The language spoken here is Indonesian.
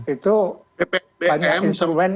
itu banyak instrumen